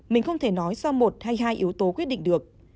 mình không thể nói do một hay hai yếu tố quyết định được